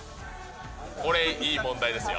これ、いい問題ですよ。